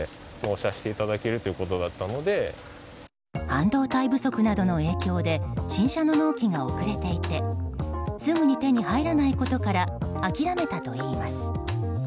半導体不足などの影響で新車の納期が遅れていてすぐに手に入らないことから諦めたといいます。